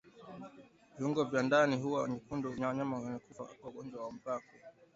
Viungo vya ndani huwa vyekundu kwa mnyama aliyekufa kwa ugonjwa wa mapafu